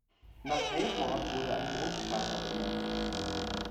Nach Hayford wurde ein Mondkrater benannt.